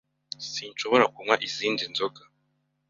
Sinshobora kunywa izindi nzoga.